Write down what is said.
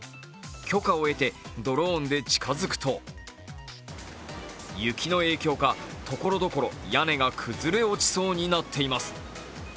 許可を得て、ドローンで近づくと、雪の影響かところどころ屋根が崩れ落ちそうになっています。